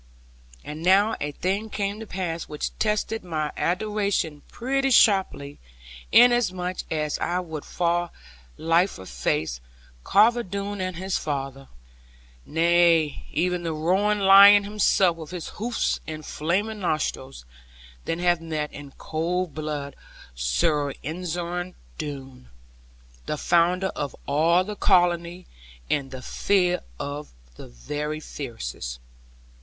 And now a thing came to pass which tested my adoration pretty sharply, inasmuch as I would far liefer faced Carver Doone and his father, nay, even the roaring lion himself with his hoofs and flaming nostrils, than have met, in cold blood, Sir Ensor Doone, the founder of all the colony, and the fear of the very fiercest.